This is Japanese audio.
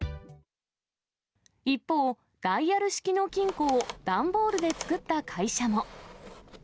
一方、ダイヤル式の金庫を段ボールで作った会社も。